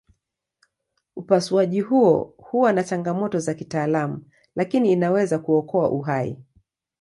Upasuaji huo huwa na changamoto za kitaalamu lakini inaweza kuokoa uhai.